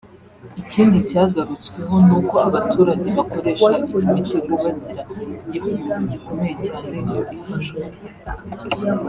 Ikindi cyagarutsweho ni uko abaturage bakoresha iyi mitego bagira igihombo gikomeye cyane iyo ifashwe